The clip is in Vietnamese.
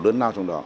lớn lao trong đó